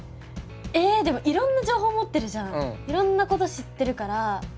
えでもいろんな情報持ってるじゃん。